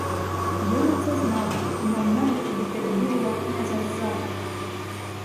Йона це знав і мав намір підійти до дужого князя ззаду.